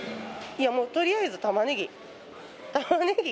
いや、もうとりあえずタマネギ。